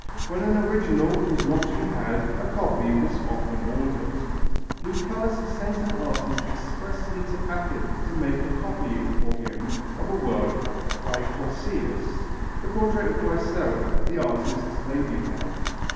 When an original was not to be had, a copy was often ordered. Lucullus sent an artist expressly to Athens to make a copy for him of a work by Pausias, the portrait of Glycera, the artist's lady love.